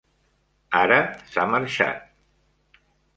Ara s'ha marxat.